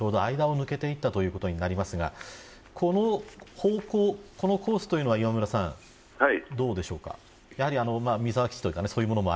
北海道と青森のちょうど間を抜けていったということになりますがこのコースというのは磐村さんどうでしょうか。